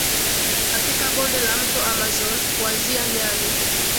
katika bonde la mto Amazon kuanzia nyani